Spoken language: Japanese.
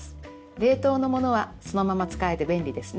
冷凍のものはそのまま使えて便利ですね！